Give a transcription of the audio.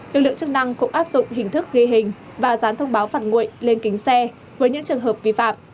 lực lượng chức năng cũng áp dụng hình thức ghi hình và dán thông báo phạt nguội lên kính xe với những trường hợp vi phạm